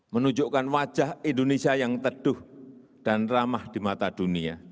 menunjukkan wajah indonesia yang teduh dan ramah di mata dunia